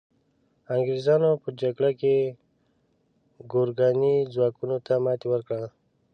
انګریزانو په جګړه کې ګورکاني ځواکونو ته ماتي ورکړه.